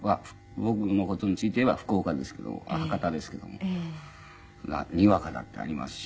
僕の事について言えば福岡ですけど博多ですけども仁和加だってありますし。